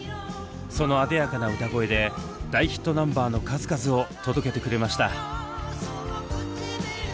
そのあでやかな歌声で大ヒットナンバーの数々を届けてくれました。